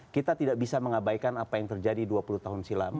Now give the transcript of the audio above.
kita tidak bisa mengabaikan apa yang terjadi dua puluh tahun silam